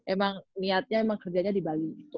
emang niatnya emang kerjanya di bali